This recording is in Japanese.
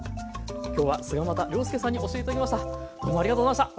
今日は菅又亮輔さんに教えて頂きました。